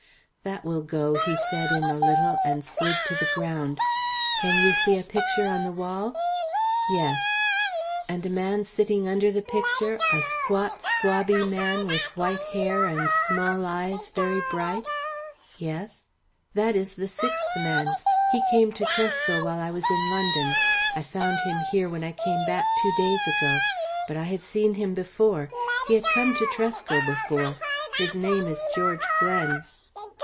"That will go," said he in a little, and slid to the ground. "Can you see a picture on the wall?" "Yes." "And a man sitting under the picture a squat, squabby man with white hair and small eyes very bright?" "Yes." "That is the sixth man. He came to Tresco while I was in London. I found him here when I came back two days ago. But I had seen him before. He had come to Tresco before. His name is George Glen."